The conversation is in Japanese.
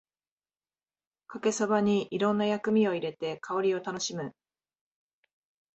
かけそばにいろんな薬味を入れて香りを楽しむ